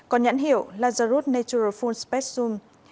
còn nhãn hiệu lazarus natural full spec zoom